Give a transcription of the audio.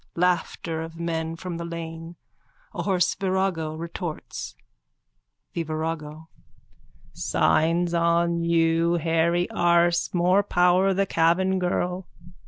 Laughter of men from the lane. A hoarse virago retorts.)_ THE VIRAGO: Signs on you, hairy arse. More power the Cavan girl.